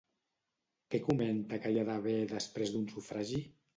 Què comenta que hi ha d'haver després d'un sufragi?